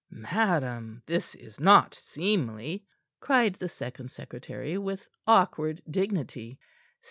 "Madam, this is not seemly," cried the second secretary, with awkward dignity.